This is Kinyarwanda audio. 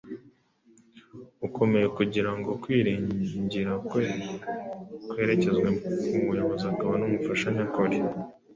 ukomeye kugira ngo kwiringira kwe kwerekezwe ku Muyobozi akaba n’Umufasha nyakuri!